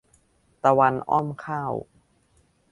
ตะวันอ้อมข้าว